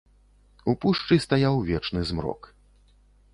У пушчы стаяў вечны змрок.